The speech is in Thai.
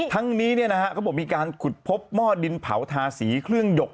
ทั้งนี้เขาบอกมีการขุดพบหม้อดินเผาทาสีเครื่องหยก